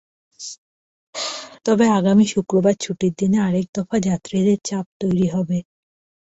তবে আগামী শুক্রবার ছুটির দিনে আরেক দফা যাত্রীদের চাপ তৈরি হবে।